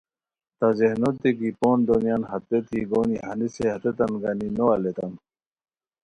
تہ ذہنوت کی پون دویان ہتیت یی گونی ہنسین ہتیتان گنی نو الیتام